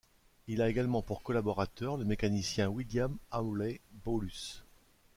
Il a également pour collaborateur le mécanicien William Hawley Bowlus.